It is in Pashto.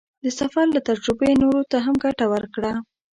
د سفر له تجربې نورو ته هم ګټه ورکړه.